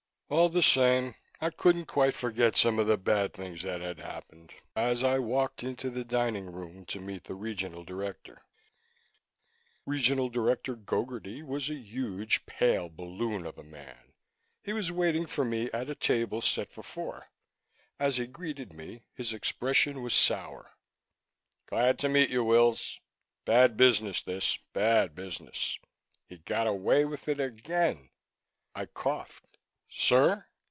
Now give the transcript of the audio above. All the same, I couldn't quite forget some of the bad things that had happened, as I walked into the hotel dining room to meet the Regional Director. Regional Director Gogarty was a huge, pale balloon of a man. He was waiting for me at a table set for four. As he greeted me, his expression was sour. "Glad to meet you, Wills. Bad business, this. Bad business. He got away with it again." I coughed. "Sir?"